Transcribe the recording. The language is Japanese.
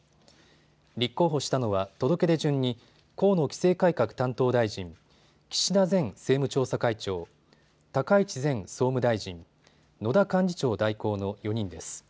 立候補したのは届け出順に河野規制改革担当大臣、岸田前政務調査会長、高市前総務大臣、野田幹事長代行の４人です。